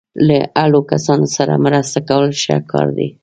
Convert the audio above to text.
له اړو کسانو سره مرسته کول ښه کار دی.